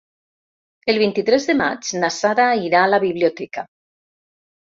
El vint-i-tres de maig na Sara irà a la biblioteca.